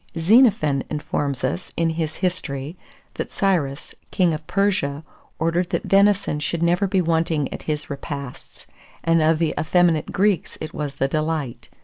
Xenophon informs us, in his History, that Cyrus, king of Persia, ordered that venison should never be wanting at his repasts; and of the effeminate Greeks it was the delight.